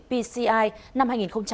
vcci năm hai nghìn một mươi tám